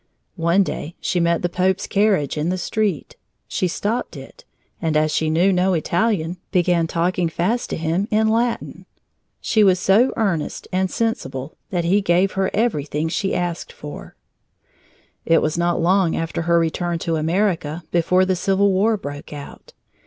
One day she met the Pope's carriage in the street. She stopped it, and as she knew no Italian, began talking fast to him in Latin. She was so earnest and sensible that he gave her everything she asked for. It was not long after her return to America before the Civil War broke out.